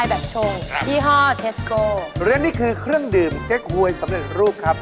อันนี้คือเครื่องดื่มเก๊กหวยสำเร็จรูปครับ